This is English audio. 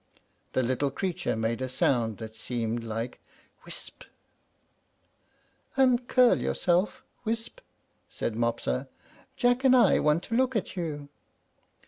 The little creature made a sound that seemed like "Wisp." "Uncurl yourself, Wisp," said Mopsa. "Jack and I want to look at you."